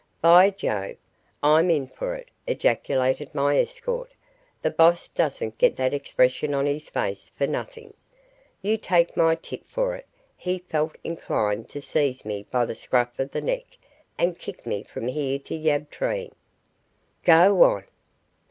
"By Jove, I'm in for it!" ejaculated my escort. "The boss doesn't get that expression on his face for nothing. You take my tip for it, he felt inclined to seize me by the scruff of the neck and kick me from here to Yabtree." "Go on!"